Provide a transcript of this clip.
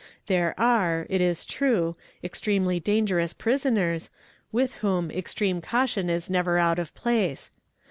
There are, it is true, extremely dangerous prisoners, with whom extreme caution is never out of place.